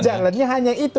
jalannya hanya itu